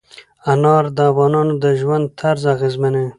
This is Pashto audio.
انار د افغانانو د ژوند طرز اغېزمنوي.